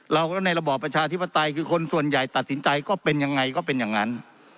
เราในระบอบประชาธิปไตยคือคนส่วนใหญ่ตัดสินใจก็เป็นยังไงก็เป็นอย่างนั้น